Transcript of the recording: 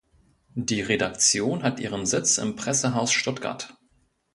Die Redaktion hat ihren Sitz im Pressehaus Stuttgart.